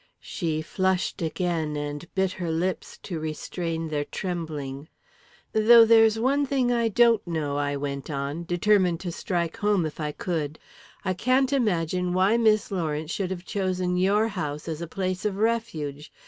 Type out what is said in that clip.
She flushed again, and bit her lips to restrain their trembling. "Though there's one thing I don't know," I went on, determined to strike home, if I could. "I can't imagine why Miss Lawrence should have chosen your house as a place of refuge.